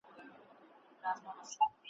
نه یې څه پیوند دی له بورا سره `